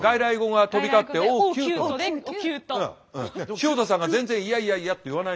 潮田さんが全然「いやいやいや」って言わない。